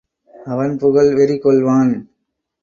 அவன் புகழ் வெறிகொள்வான்.